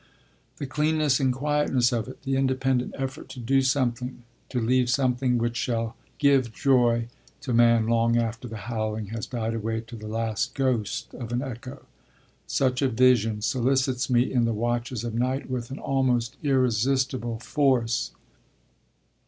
The cleanness and quietness of it, the independent effort to do something, to leave something which shall give joy to man long after the howling has died away to the last ghost of an echo such a vision solicits me in the watches of night with an almost irresistible force."